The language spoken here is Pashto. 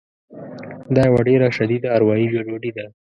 دا یوه ډېره شدیده اروایي ګډوډي ده